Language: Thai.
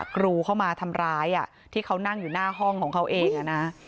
กรูเข้ามาทำร้ายที่เขานั่งอยู่หน้าห้องของเขาเองนะ